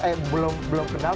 eh belum kenal